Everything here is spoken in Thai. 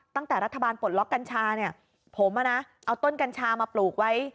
ตั้งแต่รัฐบาลปลดล็อกกัญชาเนี่ยผมเอาต้นกัญชามาปลูกไว้